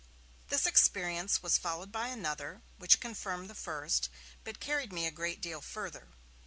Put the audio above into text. This experience was followed by another, which confirmed the first, but carried me a great deal further.